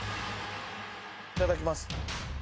いただきます。